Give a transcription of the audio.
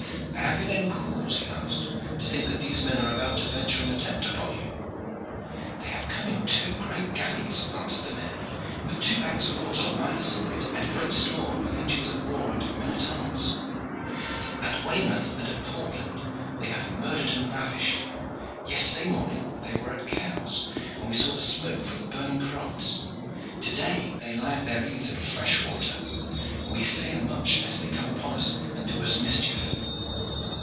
"Have you then cause," he asked, "to think that these men are about to venture an attempt upon you?" "They have come in two great galleys," answered the mayor, "with two bank of oars on either side, and great store of engines of war and of men at arms. At Weymouth and at Portland they have murdered and ravished. Yesterday morning they were at Cowes, and we saw the smoke from the burning crofts. To day they lie at their ease near Freshwater, and we fear much lest they come upon us and do us a mischief."